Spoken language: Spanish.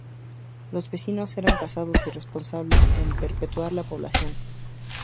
Los vecinos eran casados y responsables en perpetuar la población.